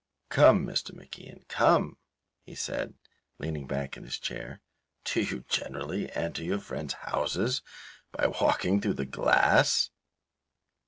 "Come, Mr. MacIan, come," he said, leaning back in his chair, "do you generally enter you friends' houses by walking through the glass?"